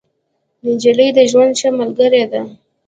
نجلۍ د ژوند ښه ملګرې ده.